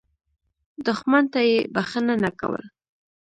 دښمن ته یې بخښنه نه کول.